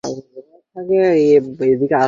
চলো, জায়গাটাকে মাটিতে মিশিয়ে দিই!